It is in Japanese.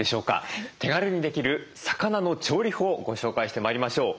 手軽にできる魚の調理法ご紹介してまいりましょう。